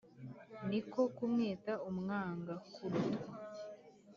ni ko kumwita umwangakurutwa